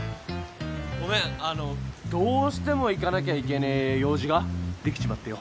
ごめんあのどうしても行かなきゃいけねえ用事ができちまってよ。